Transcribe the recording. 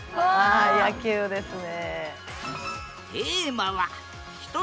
あ野球ですね。